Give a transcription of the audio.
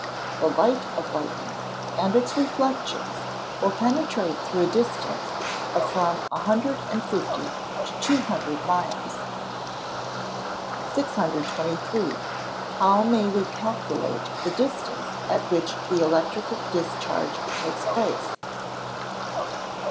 _ The light of lightning, and its reflections, will penetrate through a distance of from a hundred and fifty to two hundred miles. 623. _How may we calculate the distance at which the electric discharge takes place?